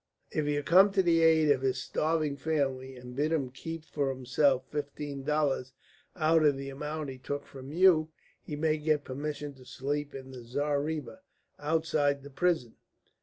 If you come to the aid of his starving family and bid him keep for himself fifteen dollars out of the amount he took from you, you may get permission to sleep in the zareeba outside the prison.